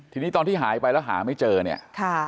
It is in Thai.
ทีนี้ตอนที่หายไปแล้วหาไม่เจอเนี่ยค่ะ